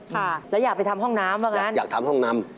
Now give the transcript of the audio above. ค่ะแล้วอยากไปทำห้องน้ำว่างั้นอยากทำห้องน้ำ